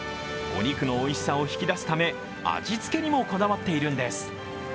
お肉のおいしさを引き出すため味付けにもこだわっているんです。